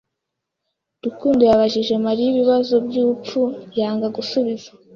Rukundo yabajije Mariya ibibazo byubupfu yanga gusubiza.